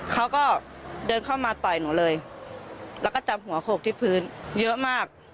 เขาก็เดินเข้ามาต่อยหนูเลยแล้วก็จับหัวโขกที่พื้นเยอะมาก